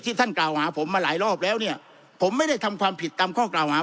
ท่านกล่าวหาผมมาหลายรอบแล้วเนี่ยผมไม่ได้ทำความผิดตามข้อกล่าวหา